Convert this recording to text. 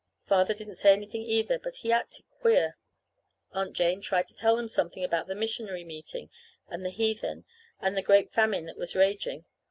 Father didn't say anything either, but he acted queer. Aunt Jane tried to tell him something about the missionary meeting and the heathen, and a great famine that was raging.